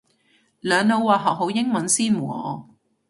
兩老話學好英文先喎